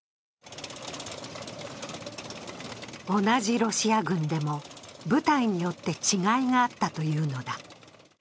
同じロシア軍でも部隊によって違いがあったというのだ。